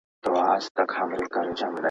کينه د زړه توروالی دی.